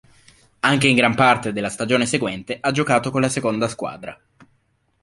Anche in gran parte della stagione seguente ha giocato con la seconda squadra.